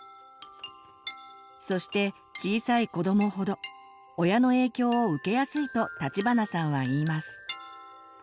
そして小さい子どもほど親の影響を受けやすいと立花さんは言います。